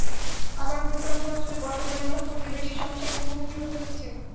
আবার প্রত্যন্ত অঞ্চলে পণ্য পরিবহন করতে বেশি সমস্যার মুখোমুখি হতে হচ্ছে।